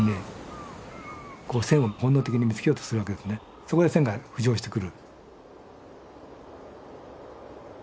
そこで線が浮上してくる。